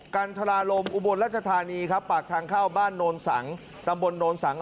กันทราลมอุบลรัชธานีครับปากทางเข้าบ้านโนนสังตำบลโนนสัง